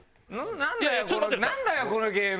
なんだよなんだよこのゲーム！